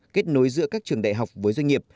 kết nối giữa các trường đại học với doanh nghiệp